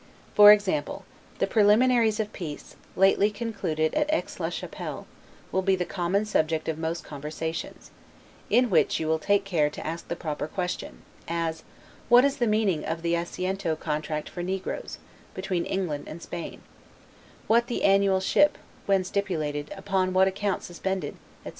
For example, the preliminaries of peace, lately concluded at Aix la Chapelle, will be the common subject of most conversations; in which you will take care to ask the proper questions: as, what is the meaning of the Assiento contract for negroes, between England and Spain; what the annual ship; when stipulated; upon what account suspended, etc.